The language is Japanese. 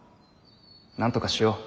なんとかしよう。